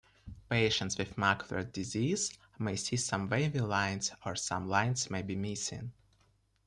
Patients with macular disease may see wavy lines or some lines may be missing.